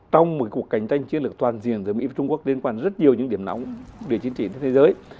trong một cuộc cạnh tranh chiến lược toàn diện giữa mỹ và trung quốc liên quan rất nhiều những điểm nóng để chiến trị thế giới